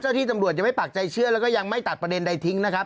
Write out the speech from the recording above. ที่ตำรวจยังไม่ปากใจเชื่อแล้วก็ยังไม่ตัดประเด็นใดทิ้งนะครับ